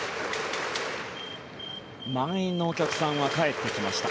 満員のお客さんは帰ってきました。